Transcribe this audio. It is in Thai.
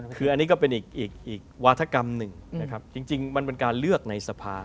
คืออันนี้ก็เป็นอีกวาธกรรมหนึ่งนะครับจริงมันเป็นการเลือกในสภา